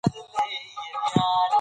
د نړۍ د پرمختګ سره ځان سم کړئ.